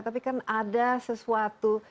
tapi kan ada sesuatu